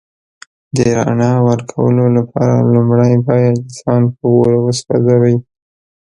د رڼا ورکولو لپاره لومړی باید ځان په اور وسوځوئ.